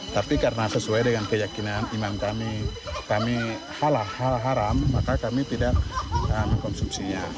tapi karena sesuai dengan keyakinan iman kami kami halal hal haram maka kami tidak mengkonsumsinya